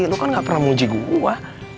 itu kan gak pernah muji gue